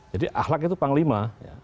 jadi akhlak itu panglima